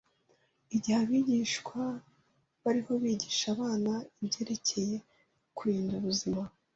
Igihe abigisha bariho bigisha abana ibyerekeye kurinda ubuzima